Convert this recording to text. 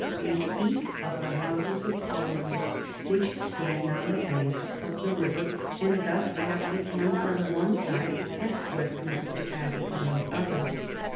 We speak of the Houses of Parliament which stand on the banks of the river, and thus have the Thames on one side and Westminster Abbey on the other.